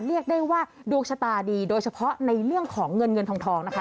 เรียกได้ว่าดวงชะตาดีโดยเฉพาะในเรื่องของเงินเงินทองนะคะ